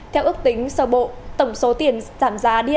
theo ước tính sơ bộ tổng số tiền giảm giá d